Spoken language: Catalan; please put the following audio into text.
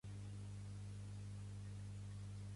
Quin augment de vots ha guanyat Pello Otxandiano?